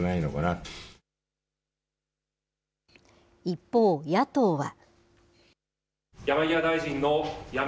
一方、野党は。